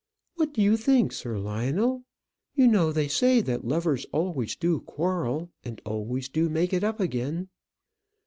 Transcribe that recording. "What do you think, Sir Lionel? You know they say that lovers always do quarrel, and always do make it up again."